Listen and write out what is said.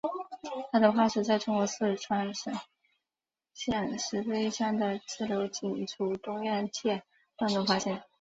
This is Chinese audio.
它的化石在中国四川省珙县石碑乡的自流井组东岳庙段中发现。